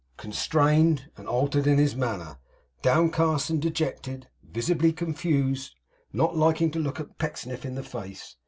Constrained and altered in his manner, downcast and dejected, visibly confused; not liking to look Pecksniff in the face.